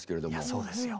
そうですよ。